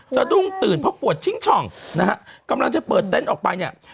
สะดุ้งตื่นเพราะปวดชิงช่องนะฮะกำลังจะเปิดเต็นต์ออกไปเนี่ย